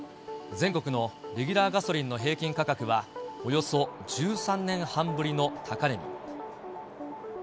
全国のレギュラーガソリンの平均価格はおよそ１３年半ぶりの高値に。